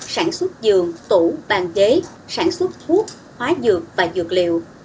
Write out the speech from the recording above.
sản xuất giường tủ bàn ghế sản xuất thuốc hóa dược và dược liệu